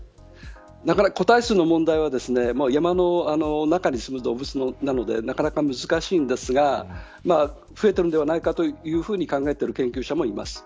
個体数の問題は山の中にすむ動物なんでなかなか難しいですが増えているんではないかというふうに考えている研究者もいます。